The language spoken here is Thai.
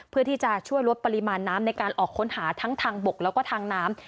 เพื่อที่จะช่วยลดปริมาณน้ำในการออกค้นหาทั้งทางบกแล้วก็ทางน้ำ